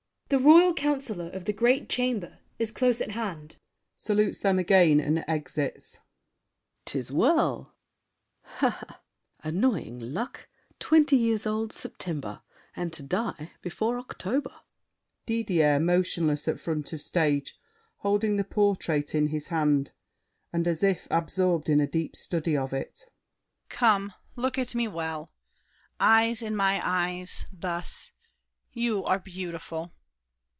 The royal councilor of the Great Chamber Is close at hand. [Salutes them again and exits. SAVERNY. 'Tis well! [Laughing. Annoying luck! Twenty years old—September—and to die Before October! DIDIER (motionless at front of stage, holding the portrait in his hand, and as if absorbed in a deep study of it). Come, look at me well! Eyes in my eyes: thus. You are beautiful!